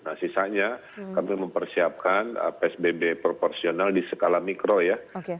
nah sisanya kami mempersiapkan psbb proporsional di skala mikro ya